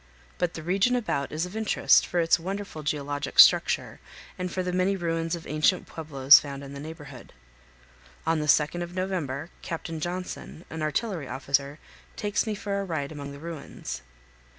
But the region about is of interest for its wonderful geologic structure and for the many ruins of ancient pueblos found in the neighborhood. On the 2d of November Captain Johnson, an artillery officer, takes me for a ride among the ruins.